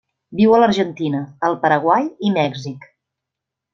Viu a l'Argentina, el Paraguai i Mèxic.